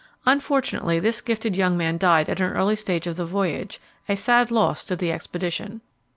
Unfortunately this gifted young man died at an early stage of the voyage a sad loss to the expedition.